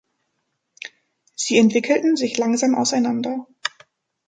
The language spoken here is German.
Sie entwickelten sich langsam auseinander.